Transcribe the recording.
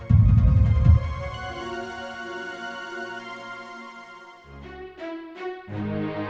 ayo kita mulai berjalan